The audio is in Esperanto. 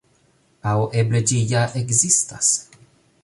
Aŭ eble ĝi ja ekzistas.